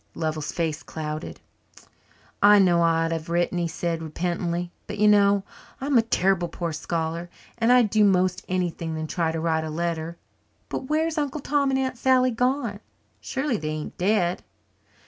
Lovell's face clouded. "I know I ought to have written," he said repentantly, "but you know I'm a terrible poor scholar, and I'd do most anything than try to write a letter. But where's Uncle Tom and Aunt Sally gone? Surely they ain't dead?"